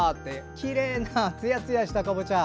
きれいなつやつやしたかぼちゃ。